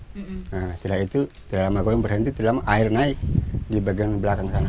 setelah itu berhenti setelah air naik di bagian belakang sana